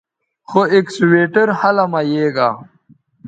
خو اکسویٹر ھلہ مہ یے گا